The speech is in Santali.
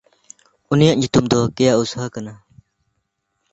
ᱩᱱᱤᱭᱟᱜ ᱧᱩᱛᱩᱢ ᱫᱚ ᱠᱮᱭᱟᱩᱥᱦᱟ ᱠᱟᱱᱟ᱾